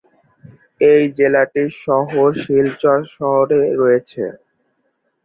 এই জেলাটির সদর শিলচর শহরে রয়েছে।